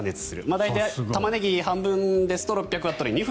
大体、タマネギ半分ですと６００ワットで２分。